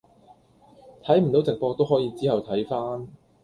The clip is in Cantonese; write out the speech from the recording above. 睇唔到直播都可以之後睇返。